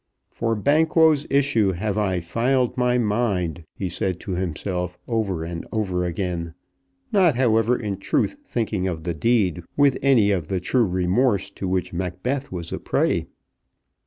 "For Banquo's issue have I filed my mind," he said to himself over and over again, not, however, in truth thinking of the deed with any of the true remorse to which Macbeth was a prey.